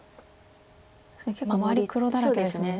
確かに結構周り黒だらけですもんね。